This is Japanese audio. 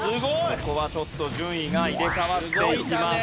ここはちょっと順位が入れ替わっていきます。